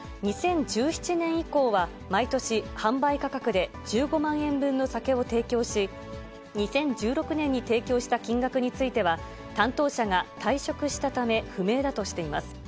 ２０１７年以降は、毎年、販売価格で１５万円分の酒を提供し、２０１６年に提供した金額については、担当者が退職したため、不明だとしています。